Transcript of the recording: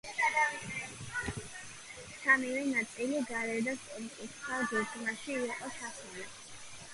სამივე ნაწილი გარედან სწორკუთხა გეგმაში იყო ჩასმული.